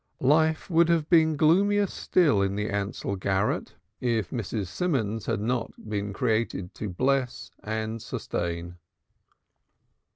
Life would have been gloomier still in the Ansell garret if Mrs. Simons had not been created to bless and sustain.